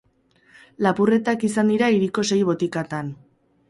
Lapurretak izan dira hiriko sei botikatan.